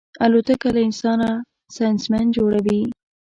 الوتکه له انسانه ساینسمن جوړوي.